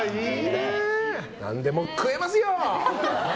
何でも食えますよ！